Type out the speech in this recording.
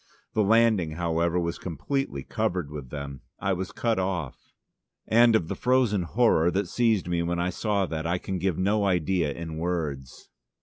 The landing, however, was completely covered with them: I was cut off. And of the frozen horror that seized me when I saw that I can give no idea in words.